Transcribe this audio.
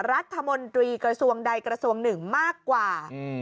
รัฐมนตรีกระทรวงใดกระทรวงหนึ่งมากกว่า